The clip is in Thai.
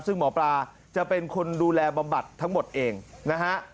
ซึ่งหมอปลาจะเป็นคนดูแลบำบัดทั้งหมดเองนะฮะ